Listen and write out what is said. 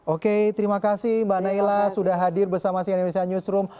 oke terima kasih mbak naila sudah hadir bersama sian indonesia newsroom